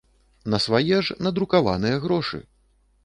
На свае ж, надрукаваныя грошы!